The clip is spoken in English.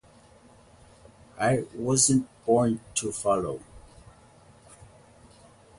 I wasn’t born to follow.